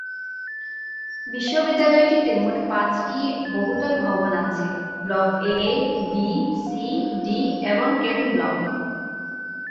বিশ্ববিদ্যালয়টিতে মোট পাঁচটি বহুতল ভবন আছে; block A, B, C, D এবং কেবিন ব্লক।